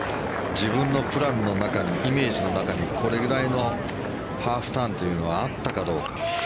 自分のプランの中にイメージの中にこれくらいのハーフターンというのはあったかどうか。